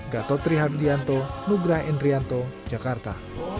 gatotri hardianto nugra indrianto jakarta